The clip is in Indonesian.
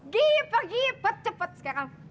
gipe gipe cepet sekarang